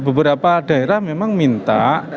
beberapa daerah memang minta